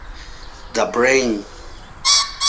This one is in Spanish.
The Brain.